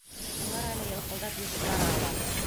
Улар әле йылҡылдап йөҙөп бара ала.